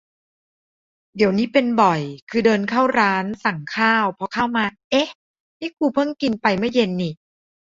เดี๋ยวนี้เป็นบ่อย คือเดินเข้าร้าน สั่งข้าว พอข้าวมา เอ๊ะ นี่กูเพิ่งกินไปเมื่อเย็นนิ